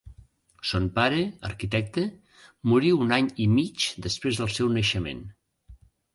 Son pare, arquitecte, morí un any i mig després del seu naixement.